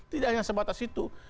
tidak hanya sebatas itu